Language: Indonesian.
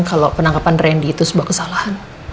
kalau penangkapan randy itu sebuah kesalahan